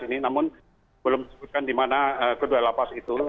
ini namun belum disebutkan di mana kedua lapas itu